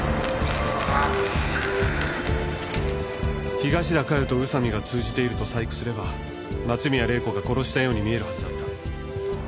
東田加代と宇佐美が通じていると細工すれば松宮玲子が殺したように見えるはずだった。